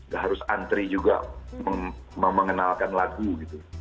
gak harus antri juga mengenalkan lagu gitu